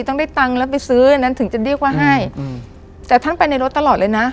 ต้องได้ตังค์แล้วไปซื้ออันนั้นถึงจะเรียกว่าให้อืมแต่ท่านไปในรถตลอดเลยนะ